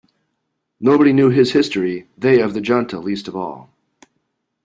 Nobody knew his history, they of the Junta least of all.